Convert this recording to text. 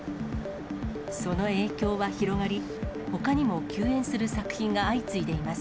その影響は広がり、ほかにも休演する作品が相次いでいます。